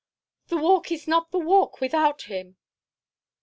"The Walk is not the Walk without him."